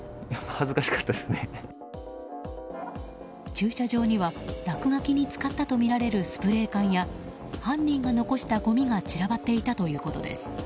駐車場には、落書きに使ったとみられるスプレー缶や犯人が残したごみが散らばっていたということです。